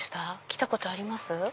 来たことあります？